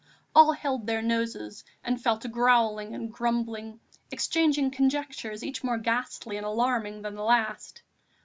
All held their noses, and fell to growling and grumbling, exchanging conjectures each more ghastly and alarming than the last.